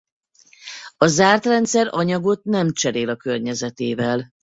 A zárt rendszer anyagot nem cserél a környezetével.